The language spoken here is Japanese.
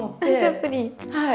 はい。